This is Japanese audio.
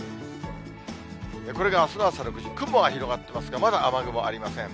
これがあすの朝の６時、雲は広がってますが、まだ雨雲ありません。